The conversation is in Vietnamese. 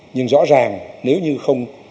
nhưng rõ ràng nếu như không